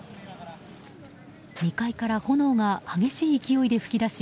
２階から炎が激しい勢いで噴き出し